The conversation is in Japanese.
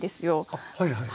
あっはいはい。